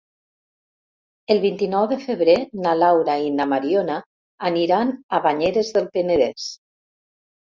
El vint-i-nou de febrer na Laura i na Mariona aniran a Banyeres del Penedès.